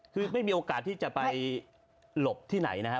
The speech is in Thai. คือไม่มีโอกาสที่จะไปหลบที่ไหนนะครับ